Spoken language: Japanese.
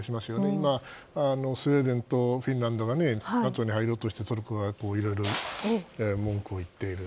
今、スウェーデンとフィンランドがＮＡＴＯに入ろうとしてトルコがいろいろ文句を言っている。